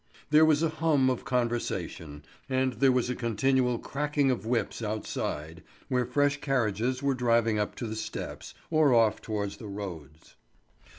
There was a hum of conversation, and there was a continual cracking of whips outside, where fresh carriages were driving up to the steps, or off towards the roads.